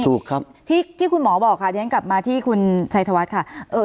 ที่คุณหมอบอกค่ะเรียนกลับมาที่คุณชัยธวัตรค่ะ